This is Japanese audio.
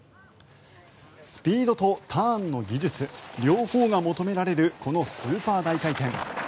スピードとターンの技術両方が求められるこのスーパー大回転。